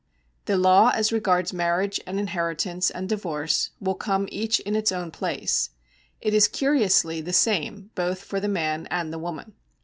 The law as regards marriage and inheritance and divorce will come each in its own place. It is curiously the same both for the man and the woman.